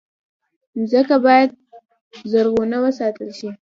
مځکه باید زرغونه وساتل شي.